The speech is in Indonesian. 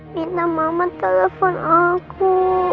minta mama telepon aku